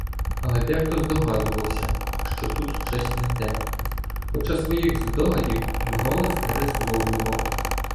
Але дехто здогадувався, що тут щось не те, хоча своїх здогадів вголос не висловлював.